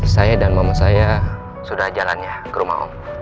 saya dan mama saya sudah jalannya ke rumah om